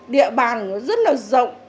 địa bàn nó rất là rộng